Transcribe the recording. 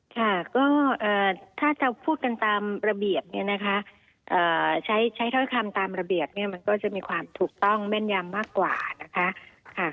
ค่ะก็ถ้าจะพูดกันตามระเบียบเนี่ยนะคะใช้ถ้อยคำตามระเบียบเนี่ยมันก็จะมีความถูกต้องแม่นยำมากกว่านะคะ